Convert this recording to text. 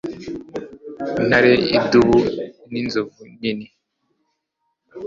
Intare idubu ninzovu nini